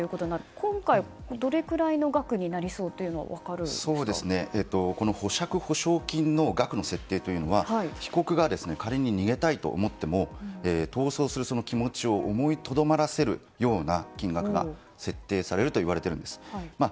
今回、どれくらいの額になりそうというのはこの保釈保証金の額の設定というのは被告が仮に逃げたいと思っても逃走する気持ちを思いとどまらせるような金額が設定されるといわれているんです。